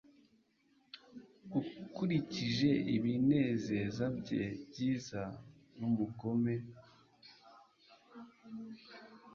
ukurikije ibinezeza bye byiza n'umugome hoe